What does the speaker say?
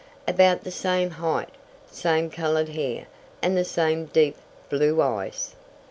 About the same height, same colored hair, and the same deep, blue eyes.